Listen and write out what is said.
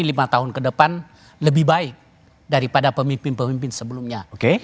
lima tahun ke depan lebih baik daripada pemimpin pemimpin sebelumnya